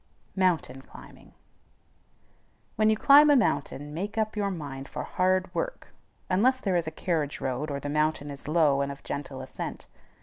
MOUNTAIN CLIMBING. When you climb a mountain, make up your mind for hard work, unless there is a carriage road, or the mountain is low and of gentle ascent.